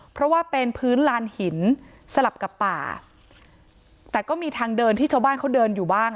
เพราะว่าเป็นพื้นลานหินสลับกับป่าแต่ก็มีทางเดินที่ชาวบ้านเขาเดินอยู่บ้าง